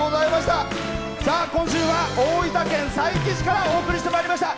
今週は大分県佐伯市からお送りしてまいりました。